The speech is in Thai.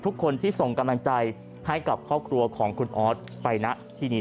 ทุกคนที่ส่งกำลังใจให้กับครอบครัวของคุณออสไปณที่นี้